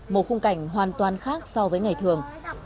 một khung cảnh hoàn toàn khác so với ngày thường